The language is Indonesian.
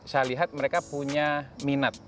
saya lihat mereka punya minat